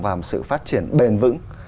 vào sự phát triển bền vững